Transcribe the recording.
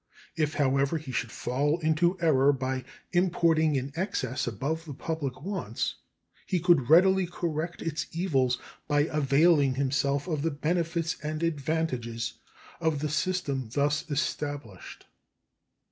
If, however, he should fall into error by importing an excess above the public wants, he could readily correct its evils by availing himself of the benefits and advantages of the system thus established.